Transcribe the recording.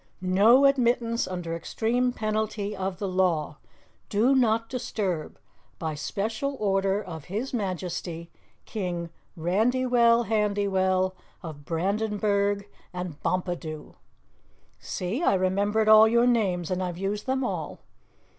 "No admittance under extreme penalty of the Law. Do not disturb! By special order of His Majesty, King Randywell Handywell of Brandenburg and Bompadoo." "See, I remembered all your names, and I've used them all!"